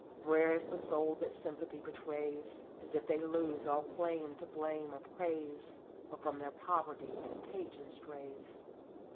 " Rare is the soul that sympathy betrays, As if they lose all claim to blame or praise, Or from their poverty contagion strays.